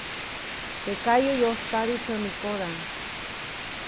Teʼ kayuʼ yospadi tsämikoda.